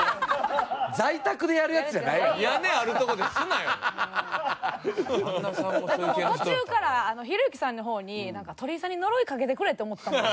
なんかもう途中からひろゆきさんの方に鳥居さんに呪いかけてくれって思ってたもん。